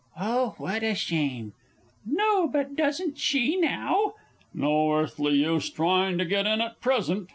Oh, what a shame!... No, but doesn't she now?... No earthly use trying to get in at present